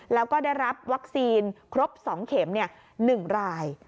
แล้วก็ได้รับวัคซีนครบ๒เข็ม๑ราย